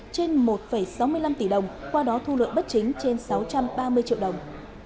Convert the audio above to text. trên một sáu mươi năm tỷ đồng qua đó thu lợi bất chính trên sáu trăm ba mươi triệu đồng